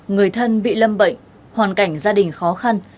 người thân bị lâm bệnh hoàn cảnh gia đình khó khăn